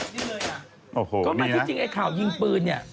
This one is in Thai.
ก็หมายถึงไอ้ข่าวยิงปืนเนี่ย